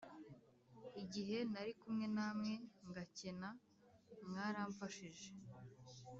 igihe nari kumwe namwe ngakena mwaramfashije.